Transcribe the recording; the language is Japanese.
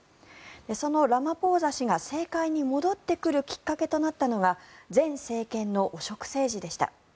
そのラマポーザ氏が政界に戻ってくるきっかけとなったのが前政権の汚職政治でした。